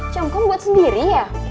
cuk kamu buat sendiri ya